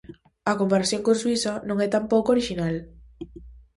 A comparación con Suíza non é tampouco orixinal.